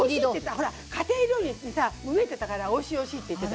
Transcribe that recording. ほら家庭料理にさ飢えてたからおいしいおいしいって言ってた。